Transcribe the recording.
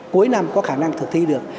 cuối năm có khả năng thực thi được